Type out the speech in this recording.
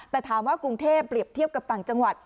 แต่ถามว่ากรุงเทพเปรียบเทียบกับต่างจังหวัด